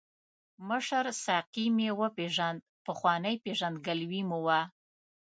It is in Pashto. مشر ساقي مې وپیژاند، پخوانۍ پېژندګلوي مو وه.